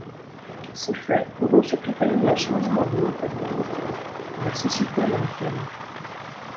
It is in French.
Ces faits auront surtout permis un changement des mentalités dans la société américaine.